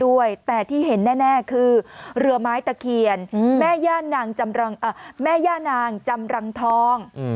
ด้วยแต่ที่เห็นแน่คือเรือไม้ตะเคียนแม่ย่านางจำรังทอง